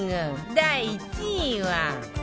第１位は